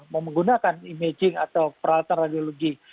menggunakan imaging atau peralatan radiologi